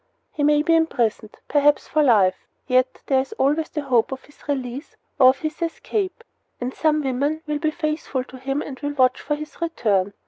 He may be imprisoned, perhaps for life, yet there is always the hope of his release or of his escape; and some women will be faithful to him and will watch for his return.